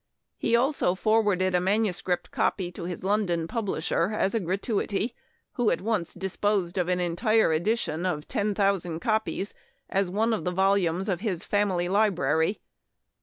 He also forwarded a manuscript copy to his London publisher as a gratuity, who at once disposed of an entire edition often thousand copies as one of the volumes of his Family Li brary.